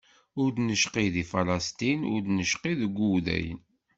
Ur d-necqi di Falasṭin, ur d-necqi deg Wudayen.